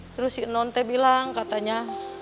terus si nonte bilang katanya